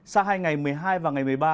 sang ngày một mươi hai và ngày một mươi ba